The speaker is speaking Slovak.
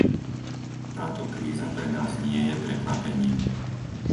Táto kríza pre nás nie je prekvapením.